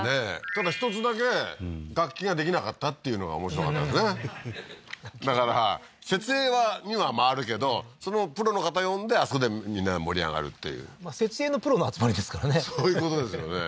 ただ１つだけ楽器ができなかったっていうのが面白かったですねだから設営には回るけどそのプロの方呼んであそこでみんなで盛り上がるっていう設営のプロの集まりですからねそういうことですよね